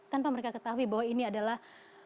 tanpa mereka ketahui bahwa ini adalah